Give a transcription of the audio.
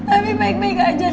abi baik baik aja